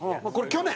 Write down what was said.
去年？